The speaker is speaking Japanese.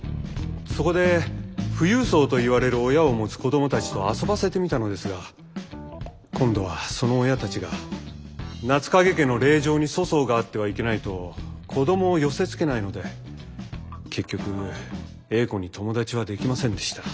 そこで富裕層と言われる親を持つ子どもたちと遊ばせてみたのですが今度はその親たちが夏影家の令嬢に粗相があってはいけないと子どもを寄せつけないので結局英子に友達はできませんでした。